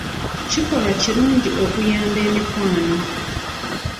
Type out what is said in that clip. Kikolwa kirungi okuyamba emikwano.